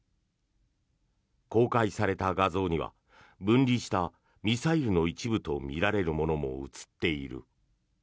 公開された画像には分離したミサイルの一部とみられるものも写っている。